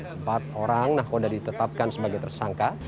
empat orang nahoda ditetapkan sebagai tersangka